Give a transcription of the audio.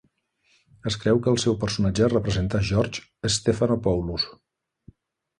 Es creu que el seu personatge representa George Stephanopoulos.